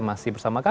masih bersama kami